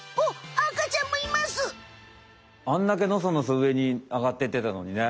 あんだけのそのそ上にあがっていってたのにね。